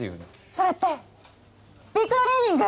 それってビッグドリーミング？